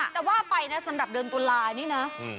แต่ว่าไปนะสำหรับเดือนตุลานี่นะ